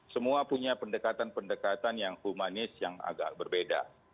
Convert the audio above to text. semua punya pendekatan pendekatan yang humanis yang agak berbeda